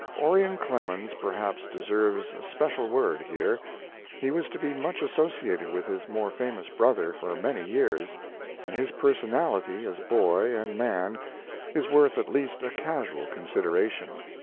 Orion Clemens perhaps deserves a special word here. He was to be much associated with his more famous brother for many years, and his personality as boy and man is worth at least a casual consideration.